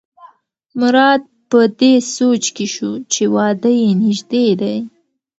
مراد په دې سوچ کې شو چې واده یې نژدې دی.